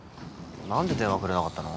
何で電話くれなかったの？